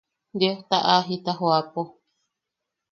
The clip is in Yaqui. Diosta a jita joʼapo.